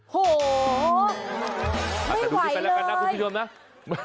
โหไม่ไหวเลย